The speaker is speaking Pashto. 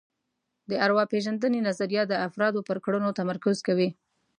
د ارواپېژندنې نظریه د افرادو پر کړنو تمرکز کوي